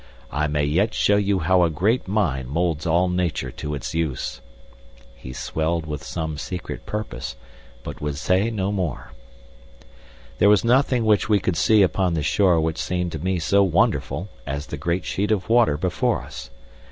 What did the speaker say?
I may yet show you how a great mind molds all Nature to its use." He swelled with some secret purpose, but would say no more. There was nothing which we could see upon the shore which seemed to me so wonderful as the great sheet of water before us.